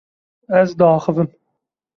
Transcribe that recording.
Ez diaxivim.